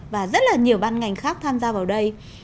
và rất là nhiều ban ngành khác tham gia vào đây